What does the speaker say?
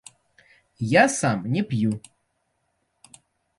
Я сам не п'ю.